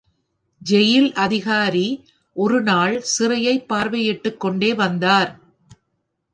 Jail அதிகாரி ஒரு நாள் சிறையைப் பார்வையிட்டுக் கொண்டே வந்தார்.